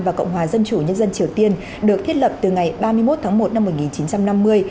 và cộng hòa dân chủ nhân dân triều tiên được thiết lập từ ngày ba mươi một tháng một năm một nghìn chín trăm năm mươi